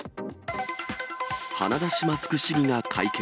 鼻出しマスク市議が会見。